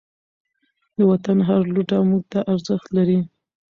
د وطن هر لوټه موږ ته ارزښت لري.